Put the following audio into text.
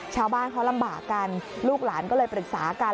ชาวบ้านเขาลำบากกันลูกหลานก็เลยปรึกษากัน